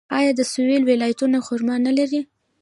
آیا د سویل ولایتونه خرما نلري؟